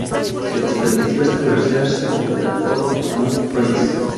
Se les permitió establecerse en Port-au-Prince.